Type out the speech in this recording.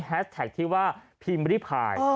แฮสแท็กที่ว่าพีมริพาย